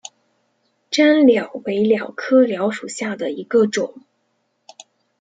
粘蓼为蓼科蓼属下的一个种。